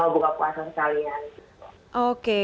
sama buka puasa sekalian